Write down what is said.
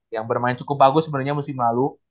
yang bermain cukup bagus sebenarnya musim lalu